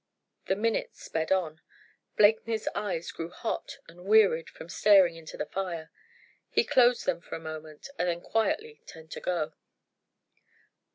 The minutes sped on. Blakeney's eyes grew hot and wearied from staring into the fire. He closed them for a moment and then quietly turned to go.